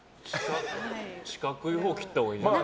四角いほう切ったほうがいいんじゃない？